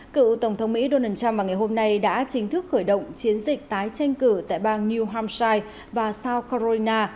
cựu tổng thống mỹ donald trump vào ngày hôm nay đã chính thức khởi động chiến dịch tái tranh cử tại bang new hampshire và south carolina